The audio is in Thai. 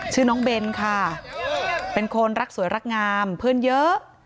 ชื่อน้องเบนค่ะเป็นคนรักสวยรักงามเพื่อนเยอะ